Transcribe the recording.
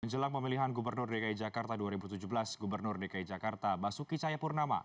menjelang pemilihan gubernur dki jakarta dua ribu tujuh belas gubernur dki jakarta basuki cayapurnama